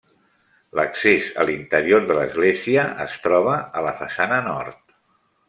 L'accés a l'interior de l'església es troba a la façana nord.